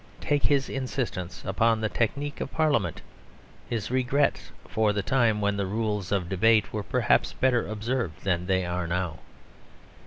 Take his insistence upon the technique of Parliament, his regrets for the time when the rules of debate were perhaps better observed than they are now.